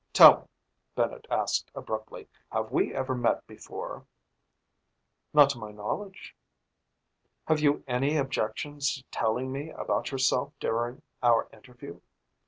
"Tell me," Bennett asked abruptly, "have we ever met before?" "Not to my knowledge." "Have you any objections to telling me about yourself during our interview?